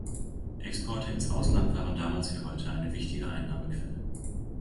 Exporte ins Ausland waren damals wie heute eine wichtige Einnahmequelle.